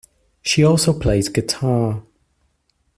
She also plays guitar.